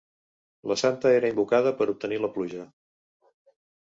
La santa era invocada per obtenir la pluja.